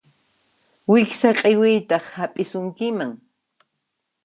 Wiksa q'iwiytaq hap'isunkiman.